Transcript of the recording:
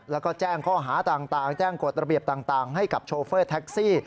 แล้วก็แจ้งข้อหาต่างแจ้งกฎระเบียบต่างให้กับโชเฟอร์แท็กซี่